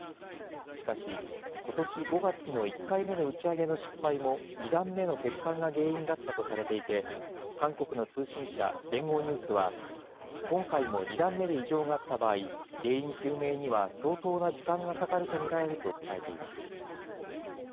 しかし、ことし５月の１回目の打ち上げの失敗も、２段目の欠陥が原因だったとされていて、韓国の通信社、連合ニュースは、今回も２段目で異常があった場合、原因究明には相当な時間がかかると見られると伝えています。